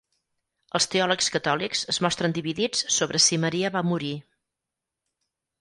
Els teòlegs catòlics es mostren dividits sobre si Maria va morir.